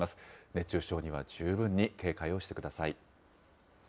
熱中症には十分に警戒をしてください。